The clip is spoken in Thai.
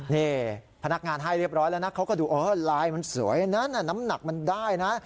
นี่พนักงานให้เรียบร้อยแล้วนะเขาก็ดูลายมันสวยอันนั้นน้ำหนักมันได้นะ